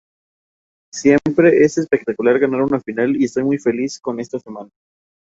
Siempre es espectacular ganar una final y estoy muy feliz con esta semana.